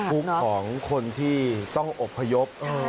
ทุกข์ของคนที่ต้องอบพยพ